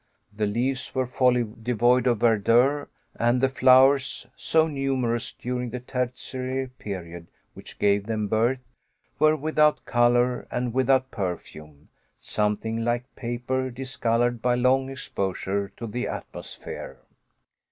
The leaves were wholly devoid of verdure, and the flowers, so numerous during the Tertiary period which gave them birth, were without color and without perfume, something like paper discolored by long exposure to the atmosphere.